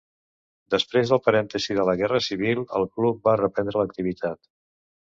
Després del parèntesi de la Guerra Civil el club va reprendre l'activitat.